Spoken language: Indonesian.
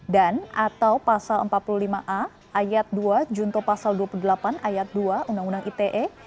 dan atau pasal empat puluh lima a ayat dua junto pasal dua puluh delapan ayat dua undang undang ite